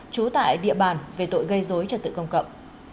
trú tại địa bàn về tội gây dối cho tự công cậm